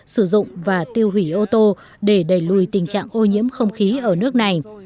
sử dụng và tiêu hủy ô tô để đẩy lùi tình trạng ô nhiễm không khí ở nước này